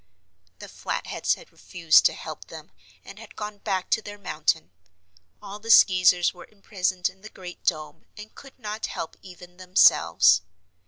The Flatheads had refused to help them and had gone back to their mountain. All the Skeezers were imprisoned in the Great Dome and could not help even themselves.